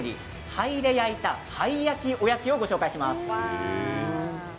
灰で焼いた、灰焼きおやきをご紹介します。